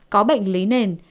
có bệnh lý nền